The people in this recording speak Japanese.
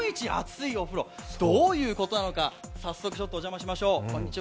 どういうことなのか、早速お邪魔しましょう。